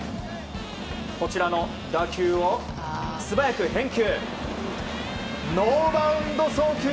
こちらの打球を素早く返球。